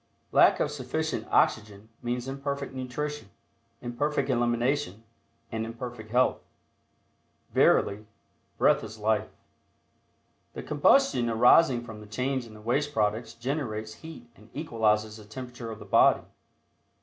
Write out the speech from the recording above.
Lack of sufficient oxygen means Imperfect nutrition, Imperfect elimination and imperfect health. Verily, "breath is life." The combustion arising from the change in the waste products generates heat and equalizes the temperature of the body.